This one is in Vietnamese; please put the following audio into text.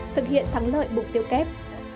thực hiện thắng lợi mục tiêu kép